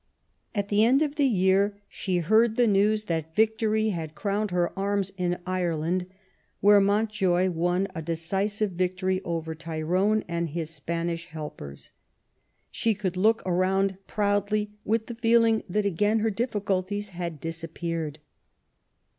At the end of the year she heard the news that victory had crowned her arms in Ireland, where Mountjoy won a decisive victory over Tyrone and his Spanish helpers. She could look around proudly with the feeling that again her difficulties had disappeared.